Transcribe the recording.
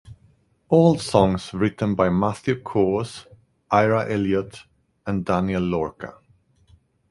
All songs written by Matthew Caws, Ira Elliot and Daniel Lorca.